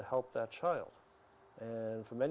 apa saja yang mungkin